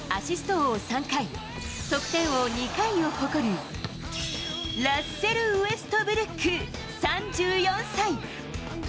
王３回、得点王２回を誇る、ラッセル・ウェストブルック３４歳。